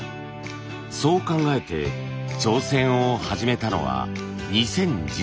そう考えて挑戦を始めたのは２０１７年のこと。